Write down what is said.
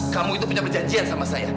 kamu itu punya perjanjian sama saya